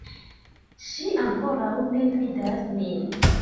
Ŝi ankoraŭ ne vidas min